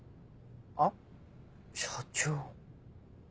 あぁ？社長。